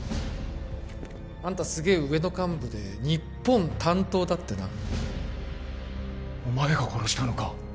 あんたすげえ上の幹部で日本担当だってなお前が殺したのか？